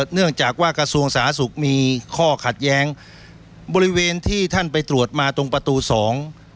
เนื่องจากว่ากระทรวงสาธารณสุขมีข้อขัดแย้งบริเวณที่ท่านไปตรวจมาตรงประตูสอง